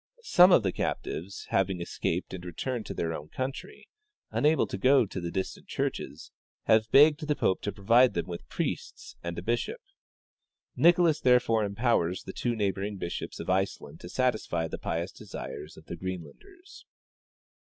Some of the captives, having escaped and returned to their own country, unable to go to the distant churches, have begged the pope to provide them with ]3riests and a bishop. Nicolas therefore empowers the two neighboring bishops of Iceland to satisfy the j)ious desires of the Greenlanders.